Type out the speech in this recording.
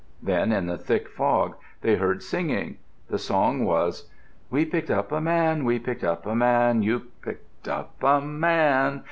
Then, in the thick fog, they heard singing. The song was: We picked up a man; We picked up a man; You picked up a man.